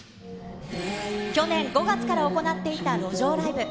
去年５月から行っていた路上ライブ。